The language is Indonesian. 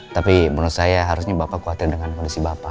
tapi menurut saya harusnya bapak khawatir dengan kondisi bapak